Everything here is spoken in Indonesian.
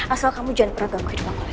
asal kamu jangan beragam kehidupan aku lagi